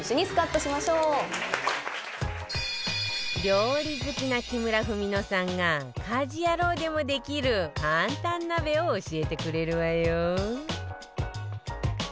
料理好きな木村文乃さんが家事ヤロウでもできる簡単鍋を教えてくれるわよ